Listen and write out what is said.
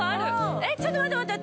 えっ、ちょっと待って、待って、待って。